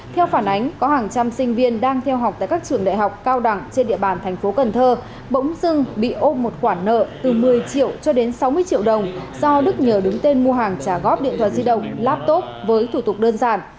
theo phản ánh có hàng trăm sinh viên đang theo học tại các trường đại học cao đẳng trên địa bàn thành phố cần thơ bỗng dưng bị ôm một khoản nợ từ một mươi triệu cho đến sáu mươi triệu đồng do đức nhờ đứng tên mua hàng trả góp điện thoại di động laptop với thủ tục đơn giản